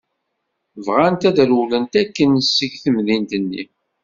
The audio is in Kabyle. Bɣant ad rewlent akken seg temdint-nni.